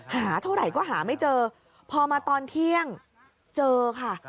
หาเท่าไหร่ก็หาไม่เจอพอมาตอนเที่ยงเจอค่ะ